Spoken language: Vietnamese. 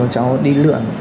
cháu đi lượn